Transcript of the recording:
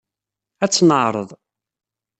Ad tt-neɛreḍ.